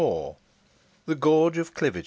THE GORGE OF CLIVIGER.